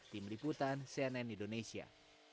tim liputan cnn indonesia